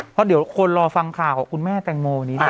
เพราะเดี๋ยวคนรอฟังข่าวของคุณแม่แตงโมวันนี้ด้วย